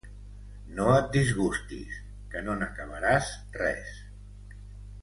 No et disgustis, que no n'acabaràs res.